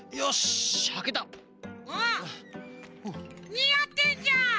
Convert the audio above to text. にあってんじゃん！